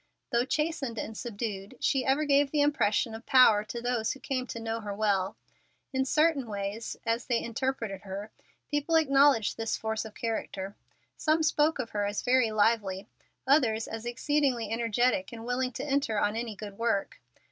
Though chastened and subdued, she ever gave the impression of power to those who came to know her well. In certain ways, as they interpreted her, people acknowledged this force of character. Some spoke of her as very lively, others as exceedingly energetic and willing to enter on any good work.